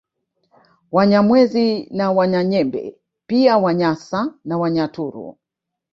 Wanyamwezi na Wanyanyembe pia Wanyasa na Wanyaturu